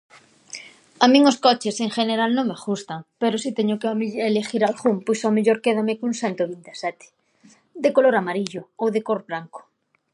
A min os coches, en gheneral, non me ghustan, pero si teño que eleghir alghún, pois ao mellor quédome cun sento vinte e sete de color amarillo ou de cor branco.